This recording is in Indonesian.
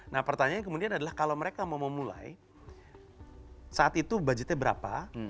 nah pertanyaannya kemudian adalah kalau mereka mau memulai saat itu budgetnya berapa